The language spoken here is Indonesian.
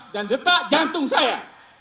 dan detak jantung saya